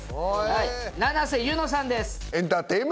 七瀬優乃さんです